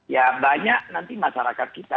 ya banyak nanti masyarakat kita